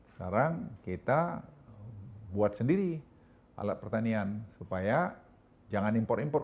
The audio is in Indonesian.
sekarang kita buat sendiri alat pertanian supaya jangan impor impor